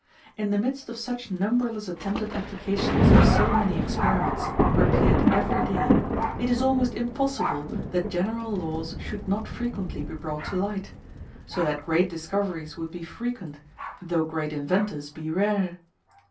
In the midst of such numberless attempted applications of so many experiments, repeated every day, it is almost impossible that general laws should not frequently be brought to light; so that great discoveries would be frequent, though great inventors be rare.